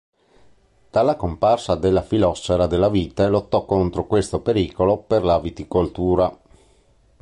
Dalla comparsa della fillossera della vite lottò contro questo pericolo per la viticoltura.